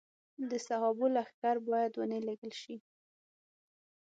د صحابو لښکر باید ونه لېږل شي.